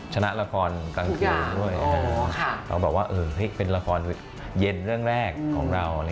ชนะละครกลางคืนด้วยเราบอกว่าเป็นละครเย็นเรื่องแรกของเรา